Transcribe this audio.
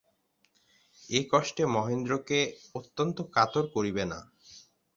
এ কষ্টে মহেন্দ্রকে অত্যন্ত বেশি কাতর করিবে না।